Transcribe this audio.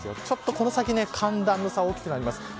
ちょっと、この先寒暖差が大きくなります。